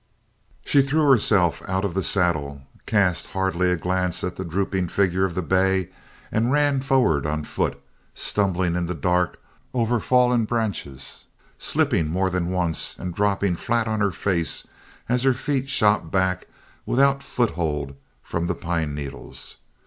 She threw herself out of the saddle, cast hardly a glance at the drooping figure of the bay, and ran forward on foot, stumbling in the dark over fallen branches, slipping more than once and dropping flat on her face as her feet shot back without foothold from the pine needles.